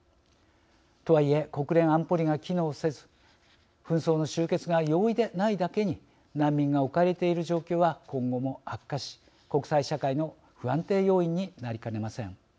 とはいえ、国連安保理が機能せず紛争の終結が容易でないだけに難民が置かれている状況は今後も悪化し国際社会の不安定要因になりかねません。